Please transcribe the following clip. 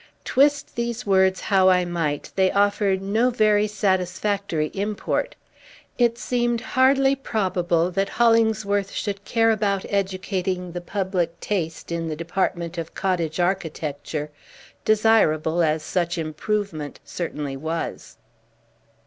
Twist these words how I might, they offered no very satisfactory import. It seemed hardly probable that Hollingsworth should care about educating the public taste in the department of cottage architecture, desirable as such improvement certainly was.